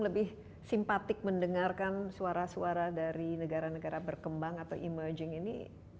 lebih simpatik mendengarkan suara suara dari negara negara berkembang atau emerging ini